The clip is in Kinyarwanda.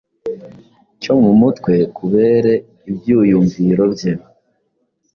cyo mu mutwe kubere ibyuyumviro bye.